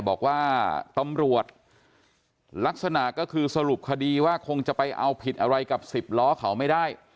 บอกว่าตำรวจลักษณะก็คือสรุปคดีว่าคงจะไปเอาผิดอะไรกับสิบล้อเขาไม่ได้